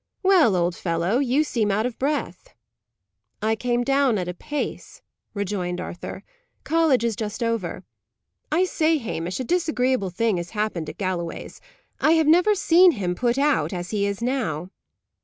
"Well, old fellow! you seem out of breath." "I came down at a pace," rejoined Arthur. "College is just over. I say, Hamish, a disagreeable thing has happened at Galloway's. I have never seen him put out as he is now."